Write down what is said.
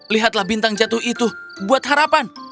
lihatlah bintang jatuh itu buat harapan